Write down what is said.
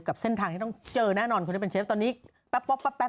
กับเส้นทางที่ต้องเจอแน่นอนคนที่เป็นเชฟตอนนี้แป๊บ